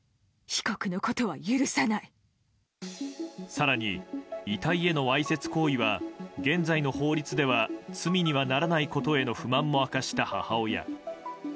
更に、遺体へのわいせつ行為は現在の法律では罪にはならないことへの不満も明かした母親。